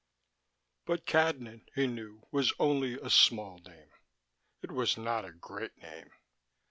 7 But Cadnan, he knew, was only a small name: it was not a great name.